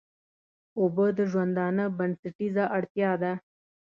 اوبه د ژوندانه بنسټيزه اړتيا ده.